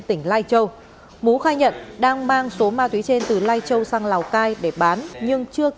tỉnh lai châu mú khai nhận đang mang số ma túy trên từ lai châu sang lào cai để bán nhưng chưa